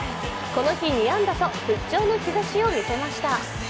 この日２安打と復調の兆しを見せました。